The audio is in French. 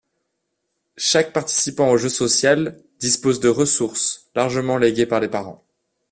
Chaque participant au jeu social dispose de ressources, largement léguées par les parents.